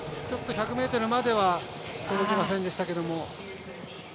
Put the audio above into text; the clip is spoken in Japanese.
ちょっと１００ｍまでは届きませんでしたけれども。